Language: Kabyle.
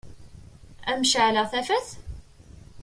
Ad m-ceɛleɣ tafat?